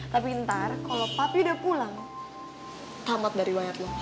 tapi ntar kalau papi udah pulang tamat dari wayat lo